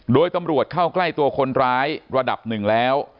โดยตำรวจเข้าใกล้ตัวคนร้ายระดับหนึ่งแล้ว